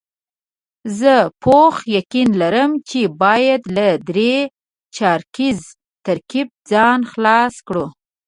زه پوخ یقین لرم چې باید له درې چارکیز ترکیب ځان خلاص کړو.